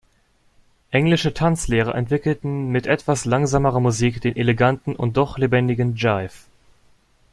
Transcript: Englische Tanzlehrer entwickelten mit etwas langsamerer Musik den eleganten und doch lebendigen Jive.